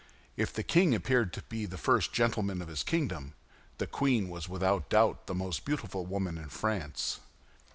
If the king appeared to be the first gentleman of his kingdom, the queen was without doubt the most beautiful woman in France.